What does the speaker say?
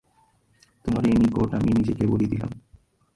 তোমারই নিকট আমি নিজেকে বলি দিলাম।